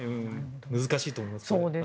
難しいと思いますね。